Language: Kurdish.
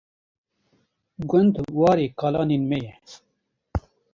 Gund warê kalanên me ye.